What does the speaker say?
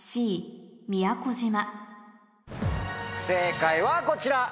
正解はこちら！